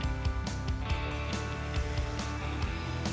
dia maka hubungan bermakna percaya dengan kamu